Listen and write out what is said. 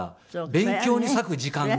勉強に割く時間が。